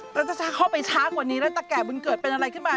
แล้วถ้าเข้าไปช้ากว่านี้แล้วตะแก่บุญเกิดเป็นอะไรขึ้นมา